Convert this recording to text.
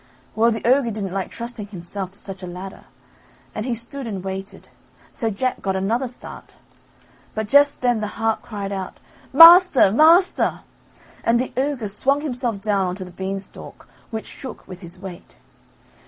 Well, the ogre didn't like trusting himself to such a ladder, and he stood and waited, so Jack got another start. But just then the harp cried out: "Master! master!" and the ogre swung himself down on to the beanstalk which shook with his weight.